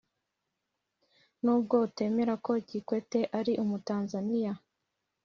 Nubwo utemera ko Kikwete ari umutanzaniya